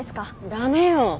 駄目よ。